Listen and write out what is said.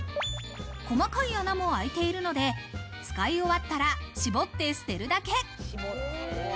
細かい穴も開いているので、使い終わったら、絞って捨てるだけ。